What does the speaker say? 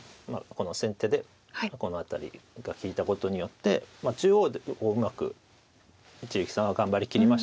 この先手でこの辺りが利いたことによって中央をうまく一力さんは頑張りきりました。